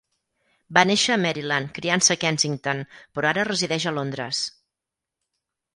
Va néixer a Maryland, criant-se a Kensington, però ara resideix a Londres.